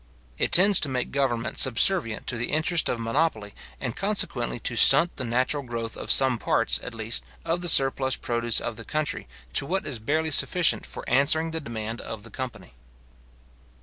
It tends to make government subservient to the interest of monopoly, and consequently to stunt the natural growth of some parts, at least, of the surplus produce of the country, to what is barely sufficient for answering the demand of the company.